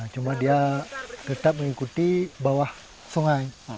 cuma dia tetap mengikuti bawah sungai